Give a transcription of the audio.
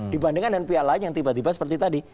dibandingkan dengan pihak lain yang tiba tiba seperti tadi